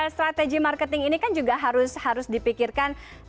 strategi marketing ini kan juga harus dipikirkan